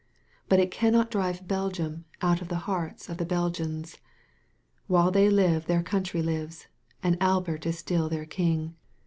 But it cannot drive Belgium out of the hearts of the Belgians. While they live their country lives, and Albert is still their King.